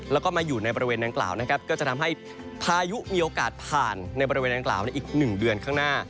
แล้วก็มาอยู่ในบริเวณดังกล่าวนะครับก็จะทำให้พายุมีโอกาสผ่านในบริเวณดังกล่าวในอีก๑เดือนข้างหน้า